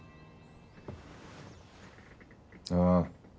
ああ。